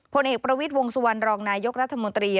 ผลเอกประวิทย์วงสุวรรณรองนายกรัฐมนตรี